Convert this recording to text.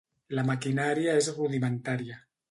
La maquinària és rudimentària.